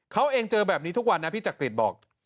เขาเองเจอแบบนี้ทุกวันนะพี่จักริตบอก